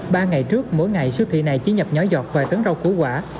ba ngày trước mỗi ngày siêu thị này chỉ nhập nhỏ giọt vài tấn rau củ quả